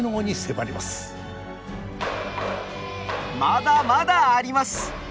まだまだあります！